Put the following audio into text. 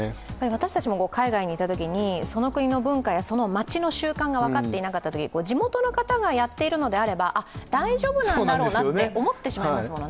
私たちも海外に行ったときに、その国の文化や、その街の習慣が分かっていないときに地元の方がやっているのであれば大丈夫なんだろうなと思ってしまいますよね。